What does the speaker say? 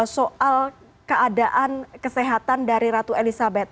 soal keadaan kesehatan dari ratu elizabeth